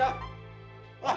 lah beneran aku